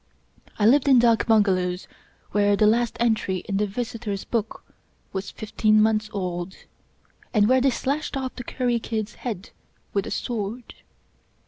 I lived in dak bungalows where the last entry in the vis itors' book was fifteen months old, and where they slashed off the curry kid's head with a sword.